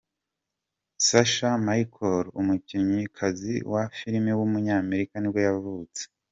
Sasha Mitchell, umukinnyikazi wa film w’umunyamerika ni bwo yavutse.